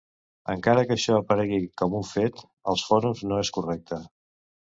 Encara que això aparegui con un "fet" als fòrums no és correcte.